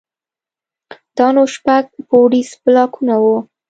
دا نو شپږ پوړيز بلاکونه وو.